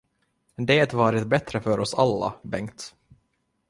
Det varit bättre för oss alla, Bengt.